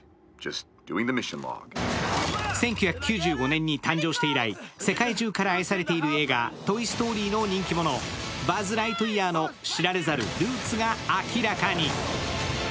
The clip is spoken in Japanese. １９９５年に誕生して以来世界中から愛されている映画「トイ・ストーリー」の人気者、バズ・ライトイヤーの知られざるルーツが明らかに。